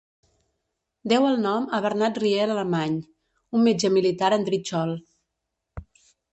Deu el nom a Bernat Riera Alemany, un metge militar andritxol.